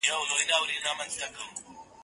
زه کولای سم مېوې وچوم!.